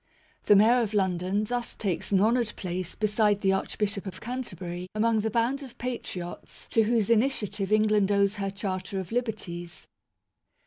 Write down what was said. The Mayor of London thus takes an honoured place beside the Archbishop of Canterbury among the band of patriots to whose initiative England owes her Charter of Liberties.